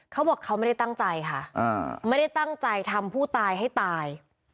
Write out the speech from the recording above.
เขาบอกเขาไม่ได้ตั้งใจค่ะไม่ได้ตั้งใจทำผู้ตายให้ตาย